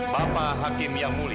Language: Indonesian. kan perempuan menari